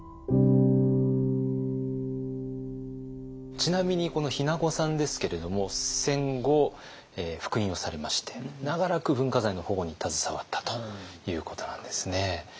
ちなみにこの日名子さんですけれども戦後復員をされまして長らく文化財の保護に携わったということなんですね。